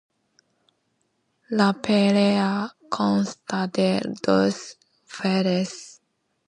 La pelea consta de dos fases.